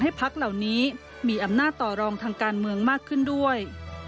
พักเหล่านี้มีอำนาจต่อรองทางการเมืองมากขึ้นด้วย